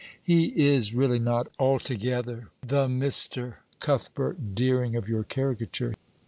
'He is really not altogether the Mr. Cuthbert Dering of your caricature.